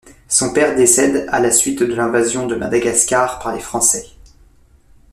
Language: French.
Son père décède à la suite de l'invasion de Madagascar par les Français.